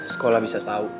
sekolah bisa tau